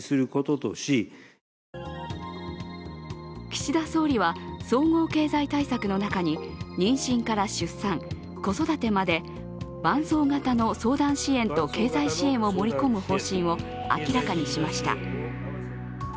岸田総理は総合経済対策の中に妊娠から出産、子育てまで伴走型の相談支援と経済支援を盛り込む方針を明らかにしました。